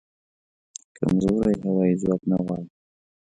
کمزوری هوایې ځواک نه غواړم